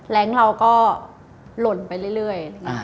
แรงเราก็หล่นไปเรื่อย